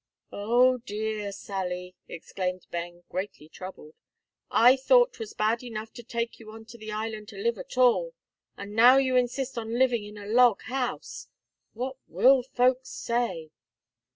"O, dear, Sally!" exclaimed Ben, greatly troubled; "I thought 'twas bad enough to take you on to the island to live at all, and now you insist on living in a log house. What will folks say?